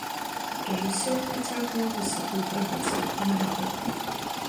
Рэжысёр працягваў высокую традыцыю кінематографа.